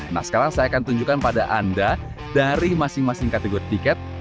nah sekarang saya akan tunjukkan pada anda dari masing masing kategori tiket